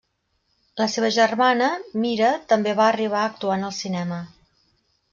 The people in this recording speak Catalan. La seva germana Mira també va arribar a actuar en el cinema.